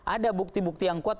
ada bukti bukti yang kuat